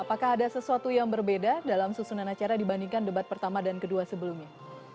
apakah ada sesuatu yang berbeda dalam susunan acara dibandingkan debat pertama dan kedua sebelumnya